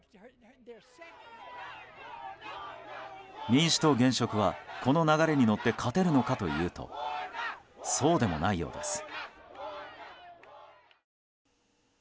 民主党現職はこの流れに乗って勝てるのかというとそうでもないようです。